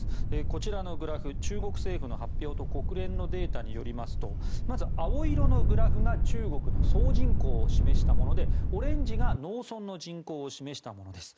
こちらのグラフ中国政府の発表と国連のデータによりますとまず青色のグラフが中国の総人口を示したものでオレンジが農村の人口を示したものです。